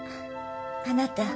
あなた。